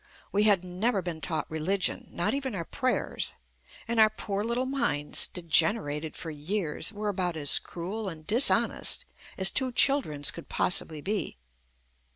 We had never been taught religion, not even our prayers, and our poor little minds, degenerated for years, were about as cruel and dishonest as two children's could possibly be.